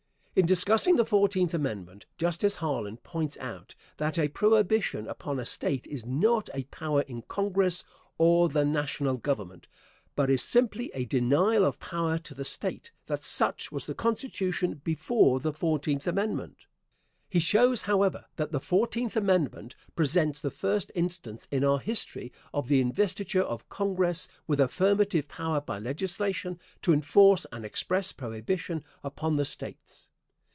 In discussing the Fourteenth Amendment, Justice Harlan points out that a prohibition upon a State is not a power in Congress or the National Government, but is simply a denial of power to the State; that such was the Constitution before the Fourteenth Amendment. He shows, however, that the Fourteenth Amendment presents the first instance in our history of the investiture of Congress with affirmative power by legislation to enforce an express prohibition upon the States.